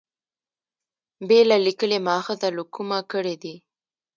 بېله لیکلي مأخذه له کومه کړي دي.